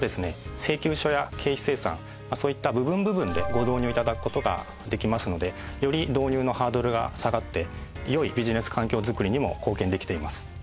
請求書や経費精算そういった部分部分でご導入頂く事ができますのでより導入のハードルが下がって良いビジネス環境づくりにも貢献できています。